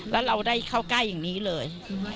แล้วเราได้เข้าใกล้อย่างนี้เลย